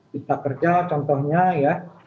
kita kerja contohnya ya